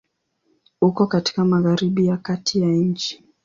Uko katika Magharibi ya Kati ya nchi.